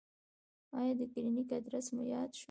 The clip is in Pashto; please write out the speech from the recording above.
ایا د کلینیک ادرس مو یاد شو؟